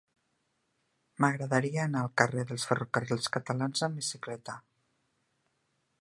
M'agradaria anar al carrer dels Ferrocarrils Catalans amb bicicleta.